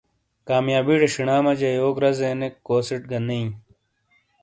کامیابی ڑے شنا مجا یو رزےنیک کوسیٹ گہ نے ایں۔